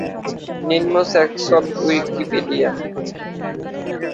নিম্ন Saxon Wikipedia